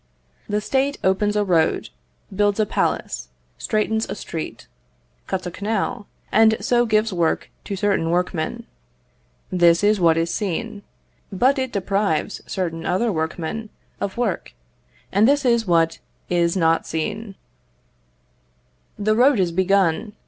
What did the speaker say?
The State opens a road, builds a palace, straightens a street, cuts a canal, and so gives work to certain workmen this is what is seen: but it deprives certain other workmen of work and this is what is not seen. The road is begun.